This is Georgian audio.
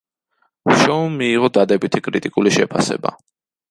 შოუმ მიიღო დადებითი კრიტიკული შეფასება.